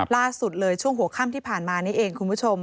ล่าสุดเลยช่วงหัวค่ำที่ผ่านมานี่เองคุณผู้ชม